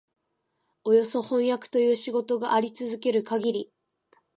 およそ飜訳という仕事があり続けるかぎり、